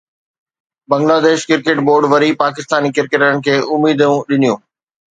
Bangladesh cricket board وري پاڪستاني ڪرڪيٽرن کي اميدون ڏنيون